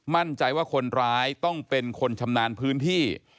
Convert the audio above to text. มั่นใจว่าคนร้ายต้องเป็นคนชำนาญพื้นที่